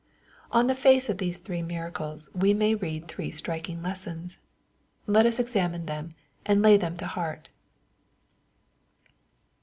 On the face of these three miracles, we may read three striking lessons. Let us examine them, and lay them to heart.